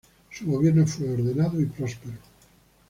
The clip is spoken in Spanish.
Su gobierno fue ordenado y próspero.